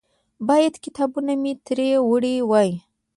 باید کتابونه مې ترې وړي وای.